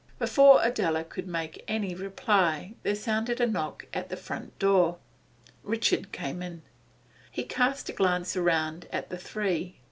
Before Adela could make any reply there sounded a knock at the front door; Richard came in. He cast a glance round at the three.